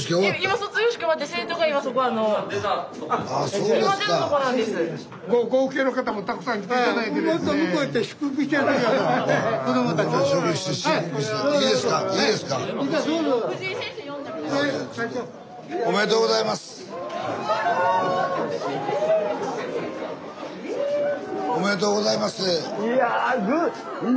いや今日おめでとうございます！